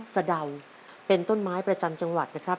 สะเดาเป็นต้นไม้ประจำจังหวัดนะครับ